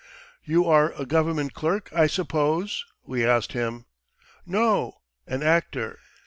"You are a government clerk, I suppose?" we asked him. "No, an actor.